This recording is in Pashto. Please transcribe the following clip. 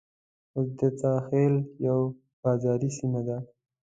اوس دته خېل يوه بازاري سيمه ده.